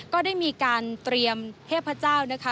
ก็ได้มีการเตรียมเทพเจ้านะคะ